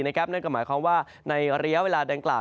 นั่นก็หมายความว่าในระยะเวลาดังกล่าว